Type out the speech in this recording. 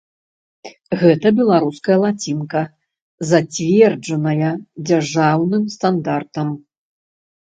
Гэта беларуская лацінка, зацверджаная дзяржаўным стандартам.